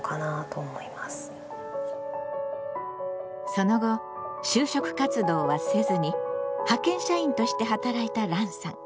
その後就職活動はせずに派遣社員として働いたランさん。